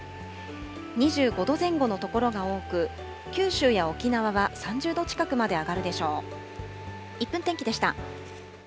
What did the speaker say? ２５度前後の所が多く、九州や沖縄は３０度近くまで上がるでしょう。